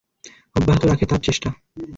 অব্যাহত রাখে তার চেষ্টা।